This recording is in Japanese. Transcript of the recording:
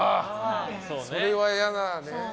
それは嫌だね。